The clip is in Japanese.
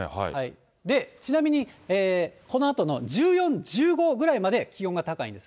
ちなみに、このあとの１４、１５ぐらいまで気温が高いんです。